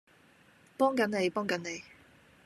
幫緊你幫緊你